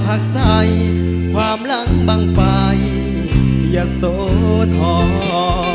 พ่อผักใส่ความลังบังไฟยะโสธรสกสรรค์